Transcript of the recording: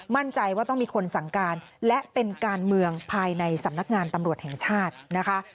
มั่นใจว่าต้องมีคนสั่งการและเป็นการเมืองภายในสำนักงานตำรวจแห่งชาตินะคะ